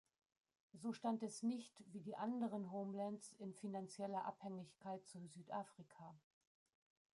So stand es nicht, wie die anderen Homelands, in finanzieller Abhängigkeit zu Südafrika.